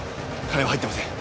金は入ってません。